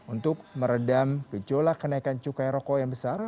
untuk meredam gejolak kenaikan cukai rokok yang besar